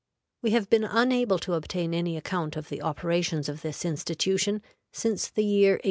We have been unable to obtain any account of the operations of this institution since the year 1837.